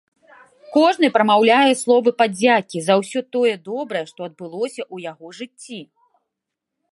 Кожны прамаўляе словы падзякі за ўсё тое добрае, што адбылося ў яго жыцці.